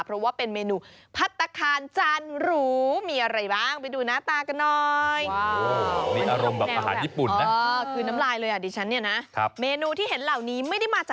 เพราะว่าเป็นเมนูพัฒนาคารจานหรู